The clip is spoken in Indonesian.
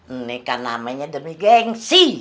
ini kan namanya demi gengsi